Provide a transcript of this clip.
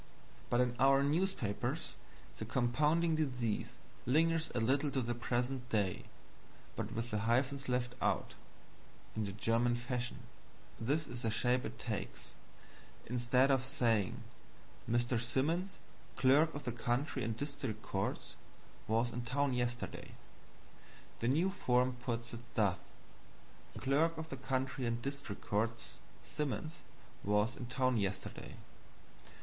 But in our newspapers the compounding disease lingers a little to the present day, but with the hyphens left out, in the German fashion. This is the shape it takes: instead of saying "Mr. Simmons, clerk of the county and district courts, was in town yesterday," the new form puts it thus: "Clerk of the County and District Courts Simmons was in town yesterday."